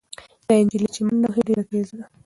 دا نجلۍ چې منډه وهي ډېره تېزه ده.